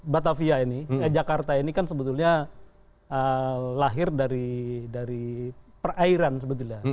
batavia ini jakarta ini kan sebetulnya lahir dari perairan sebetulnya